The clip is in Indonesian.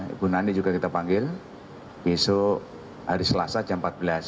ibu nani juga kita panggil besok hari selasa jam empat belas